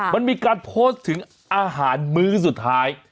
มันมีการโพสต์ถึงอาหารมื้อสุดท้าย